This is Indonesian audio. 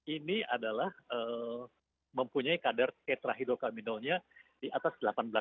ini adalah mempunyai kadar tetrahydrokanabinolnya di atas delapan belas